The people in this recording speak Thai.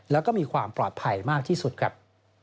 แล้วก็มีความปลอดภัยมากที่สุดครับ